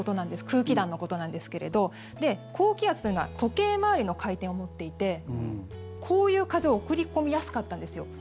空気団のことなんですけれど高気圧というのは時計回りの回転を持っていてこういう風を送り込みやすかったんですよ。